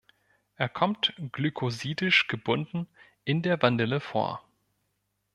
Er kommt glycosidisch gebunden in der Vanille vor.